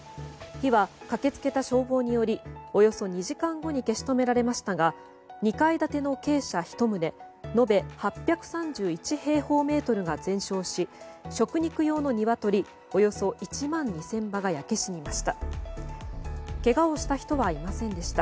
火は、駆け付けた消防によりおよそ２時間後に消し止められましたが２階建ての鶏舎１棟延べ８３１平方メートルが全焼し食肉用のニワトリおよそ１万２０００羽が焼け死にました。